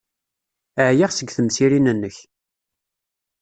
Ɛyiɣ seg temsirin-nnek.